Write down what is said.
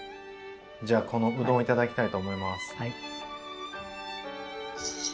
じゃあこのうどんを頂きたいと思います。